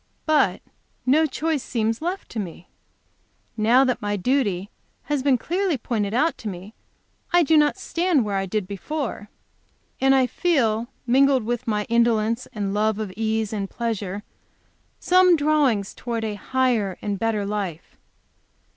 But no choice seems left to me. Now that my duty has been clearly pointed out to me, I do not stand where I did before. And I feel, mingled with my indolence and love of ease and pleasure, some drawings towards a higher and better life.